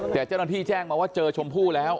แต่เจ้าหน้าที่แจ้งมาว่าเจอชมพู่แล้ว